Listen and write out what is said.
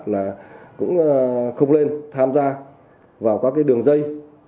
là cũng không lên tham gia vào các cái đường dây